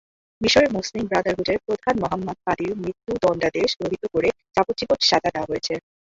মিসরের মুসলিম ব্রাদারহুডের প্রধান মোহাম্মদ বাদির মৃত্যুদণ্ডাদেশ রহিত করে যাবজ্জীবন সাজা দেওয়া হয়েছে।